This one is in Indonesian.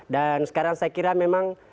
dan sekarang saya kira memang